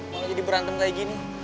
pokoknya jadi berantem kayak gini